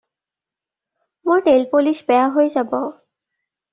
মোৰ নেইলপলিছ বেয়া হৈ যাব।